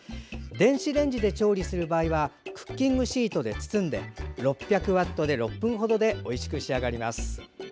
電子レンジで調理する場合はクッキングシートで包んで６００ワットで６分程でおいしく仕上がります。